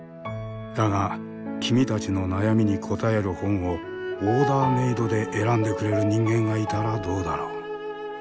だが君たちの悩みに答える本をオーダーメードで選んでくれる人間がいたらどうだろう？